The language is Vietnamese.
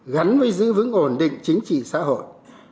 gắn với giữ vững ổn định chính trị xã hội